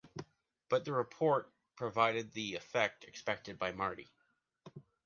But the report provided the effect expected from Marty.